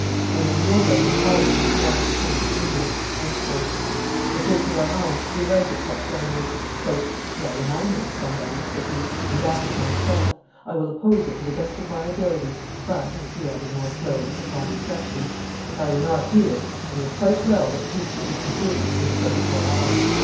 I know nobody in Holland who is not of the same opinion." The Prince of Orange flew out at such language. "Well, then, I know somebody," said he, "and that is myself; I will oppose it to the best of my ability; but," he added more slowly, upon reflection, "if I were not here, I know quite well that peace would be concluded within twenty four hours."